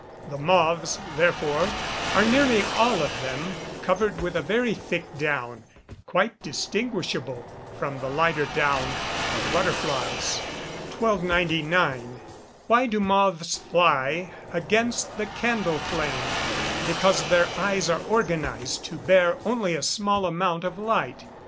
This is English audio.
The moths, therefore, are nearly all of them covered with a very thick down, quite distinguishable from the lighter down of butterflies. 1299. Why do moths fly against the candle flame? Because their eyes are organised to bear only a small amount of light.